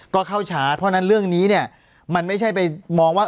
ก็เข้าช้าเพราะฉะนั้นเรื่องนี้เนี่ยมันไม่ใช่ไปมองว่า